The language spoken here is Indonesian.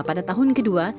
pada tahun kedua